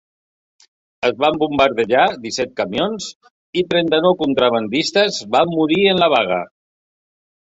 Es van bombardejar disset camions i trenta-nou contrabandistes van morir en la vaga.